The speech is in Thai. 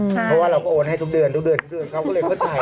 ใช่เพราะว่าเราก็โอนให้ทุกเดือนทุกเดือนเขาก็เลยเข้าใจ